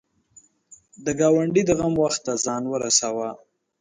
د ګاونډي د غم وخت ته ځان ورسوه